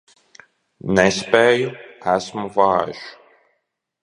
Nespēju, esmu vājš.